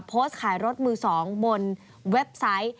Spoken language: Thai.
โพสต์ขายรถมือ๒บนเว็บไซต์